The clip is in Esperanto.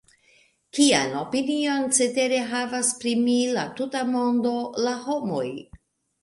Kian opinion cetere havas pri mi la tuta mondo, la homoj?